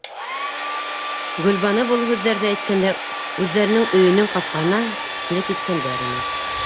- Гөлбаныу был һүҙҙәрҙе әйткәндә үҙҙәренең өйөнөң ҡапҡаһына килеп еткәндәр ине.